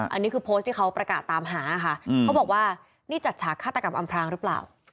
อันนี้คือโพสต์ที่เขาประกาศตามหาค่ะเขาบอกว่านี่จัดฉากฆาตกรรมอำพรางหรือเปล่า